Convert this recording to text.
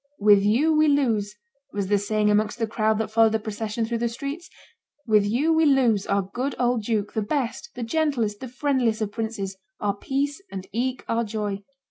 "With you we lose," was the saying amongst the crowd that followed the procession through the streets, "with you we lose our good old duke, the best, the gentlest, the friendliest of princes, our peace and eke our joy!